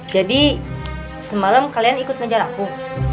jadi semalam kalian ikut ngejar aku